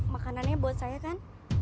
makanannya buat saya kan